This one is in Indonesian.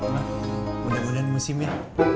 ma mudah mudahan musim ya